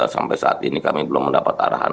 sampai saat ini kami belum mendapat arahan